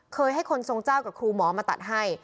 ให้คนทรงเจ้ากับครูหมอมาตัดให้